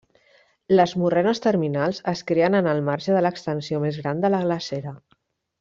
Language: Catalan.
Les morrenes terminals es creen en el marge de l’extensió més gran de la glacera.